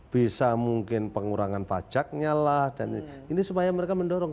bisa mungkin pengurangan pajaknya lah dan ini supaya mereka mendorong